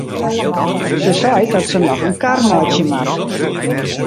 Se seit dat se noch in kar meitsje moat.